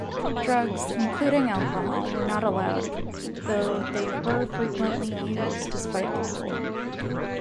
Drugs, including alcohol, were not allowed, though they were frequently used despite the rule.